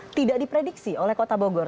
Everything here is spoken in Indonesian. tidak diprediksi oleh kota bogor